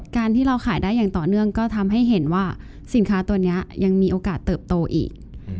การที่เราขายได้อย่างต่อเนื่องก็ทำให้เห็นว่าสินค้าตัวนี้ยังมีโอกาสเติบโตอีก